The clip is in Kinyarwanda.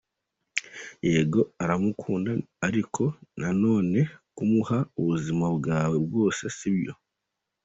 Yego uramukunda ariko nanone kumuha ubuzima bwawe byose sibyo.